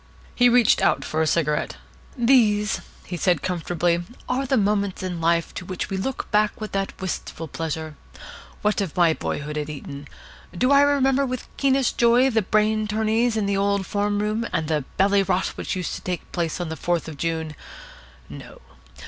He reached out for a cigarette. "These," he said, comfortably, "are the moments in life to which we look back with that wistful pleasure. What of my boyhood at Eton? Do I remember with the keenest joy the brain tourneys in the old form room, and the bally rot which used to take place on the Fourth of June? No.